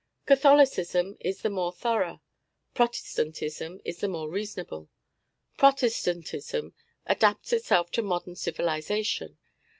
Catholicism is the more thorough. Protestantism is the more reasonable. Protestantism adapts itself to modern civilisation.